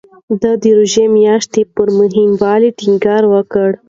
ده د روژې میاشتې په مهموالي ټینګار وکړ.